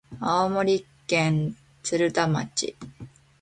青森県鶴田町